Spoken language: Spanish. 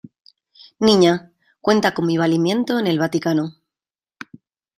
niña, cuenta con mi valimiento en el Vaticano.